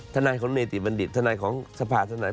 ทนายของเนติบัณฑิตทนายของสภาธนาย